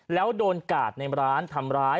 แล้วโดนกาดในร้านทำร้าย